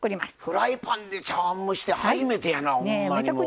フライパンで茶碗蒸しって初めてやなほんまにもう。